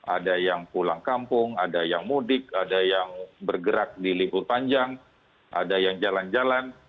ada yang pulang kampung ada yang mudik ada yang bergerak di libur panjang ada yang jalan jalan